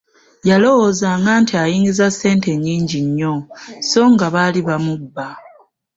Yalowoozanga nti ayingiza ssente nnyingi nnyo, sso nga baali bamubba.